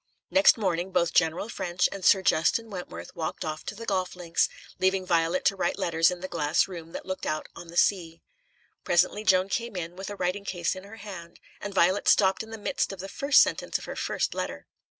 Next morning, both General Ffrench and Sir Justin Wentworth walked off to the golf links, leaving Violet to write letters in the glass room that looked out on the sea. Presently Joan came in, with a writing case in her hand, and Violet stopped in the midst of the first sentence of her first letter.